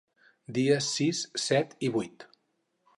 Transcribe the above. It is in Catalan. Dies sis, set i vuit.